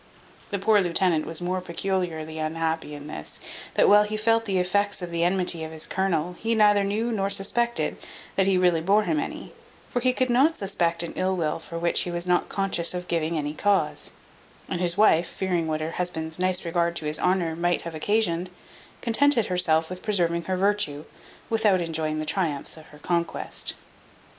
The poor lieutenant was more peculiarly unhappy in this, that while he felt the effects of the enmity of his colonel, he neither knew, nor suspected, that he really bore him any; for he could not suspect an ill will for which he was not conscious of giving any cause; and his wife, fearing what her husband's nice regard to his honour might have occasioned, contented herself with preserving her virtue without enjoying the triumphs of her conquest.